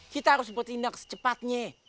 kita harus bertindak secepatnya